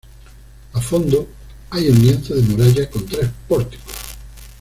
A fondo hay un lienzo de muralla con tres pórticos.